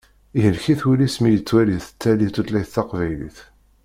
Ihlek-it wul-is mi yettwali tettali tutlayt taqbaylit.